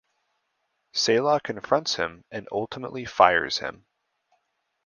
Selah confronts him and ultimately fires him.